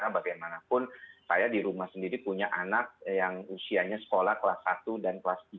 bagaimanapun saya di rumah sendiri punya anak yang usianya sekolah kelas satu dan kelas tiga